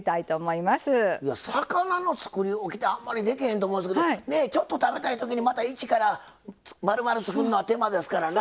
いや魚のつくりおきってあんまりできへんと思うんですけどちょっと食べたい時にまた一からまるまる作るのは手間ですからな。